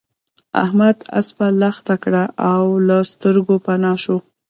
احمد اسپه لښته کړه او له سترګو پنا شو.